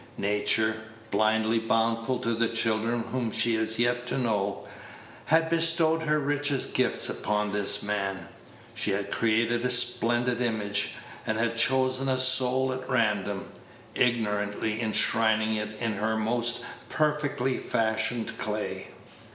Nature, blindly bountiful to the children whom she has yet to know, had bestowed her richest gifts upon this man. She had created a splendid image, and had chosen a soul at random, ignorantly enshrining it in her most perfectly fashioned clay.